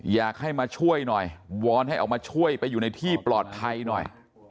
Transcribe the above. อยากให้มาช่วยหน่อยวอนให้ออกมาช่วยไปอยู่ในที่ปลอดภัยหน่อย